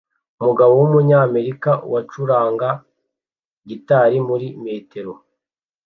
Umugabo wumunyamerika wacuranga gitari muri metero